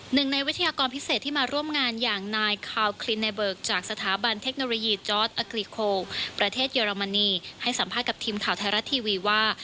หนึ่งในวิทยากรพิเศษที่มาร่วมงานอย่างนายคาวคลินในเบิกจากสถาบันเทคโนโลยีจอร์ดอักริโคประเทศเยอรมนีให้สัมภาษณ์กับทีมข่าวไทยรัฐทีวีว่า